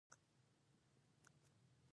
هغه نن راغی خو ډېر خپه و